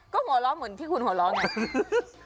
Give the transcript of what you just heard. ก็หัวเราะเหมือนที่คุณหัวเราะไง